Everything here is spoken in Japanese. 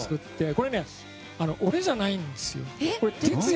これね、俺じゃないんですよ。